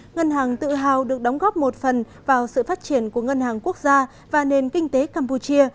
ngân hàng tự hào được đóng góp một phần vào sự phát triển của ngân hàng quốc gia và nền kinh tế campuchia